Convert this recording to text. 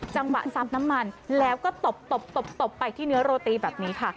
จังหวะซับน้ำมันแล้วก็ตบไปที่เนื้อโรตีแบบนี้ค่ะ